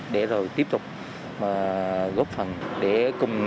để rồi tiếp tục góp phần